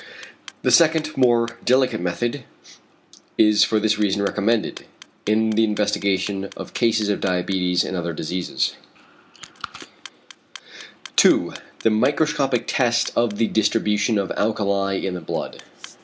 The second more delicate method is for this reason recommended, in the investigation of cases of diabetes and other diseases. 2. The microscopic test of the distribution of alkali in the blood.